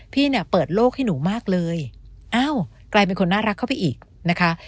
พี่เนี่ยเปิดโลกให้หนูมากเลยอ้าวกลายเป็นคนน่ารักเข้าไปอีกนะคะ